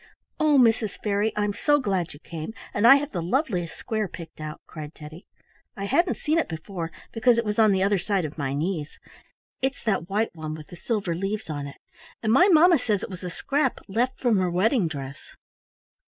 "Oh, Mrs. Fairy, I'm so glad you came, and I have the loveliest square picked out!" cried Teddy. "I hadn't seen it before, because it was the other side of my knees. It's that white one with the silver leaves on it, and my mamma says it was a scrap left from her wedding dress."